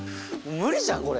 無理じゃん、これ。